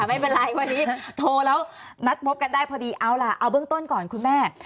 ไม่เป็นไรวันนี้โทรแล้วนัดพบกันได้พอดีเอาล่ะเอาเบื้องต้นก่อนคุณแม่